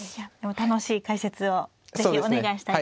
楽しい解説を是非お願いしたいと思います。